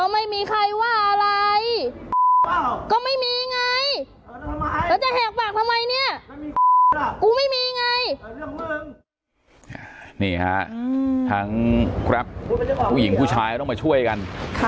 นี่ฮะทั้งครับผู้หญิงผู้ชายต้องมาช่วยกันนะครับ